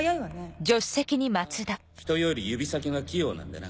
ああ人より指先が器用なんでな。